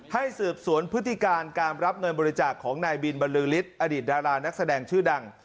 ให้สืบสวนพฤติการการรับเงินบริจาคของนายบินบรรลือฤทธิ์อดีตดารานักแสดงชื่อดัง